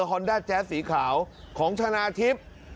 ฮอนด้าแจ๊สสีขาวของชนะทิพย์